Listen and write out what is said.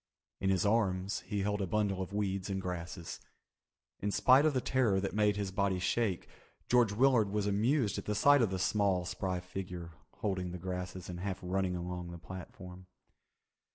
In his arms he held a bundle of weeds and grasses. In spite of the terror that made his body shake, George Willard was amused at the sight of the small spry figure holding the grasses and half running along the platform.